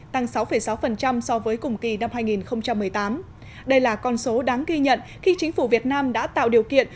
tăng sáu sáu so với cùng kỳ năm hai nghìn một mươi tám đây là con số đáng ghi nhận khi chính phủ việt nam đã tạo điều kiện